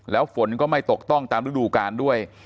แล้วฝนก็ไม่ตกต้องตามฤดูกาลด้วย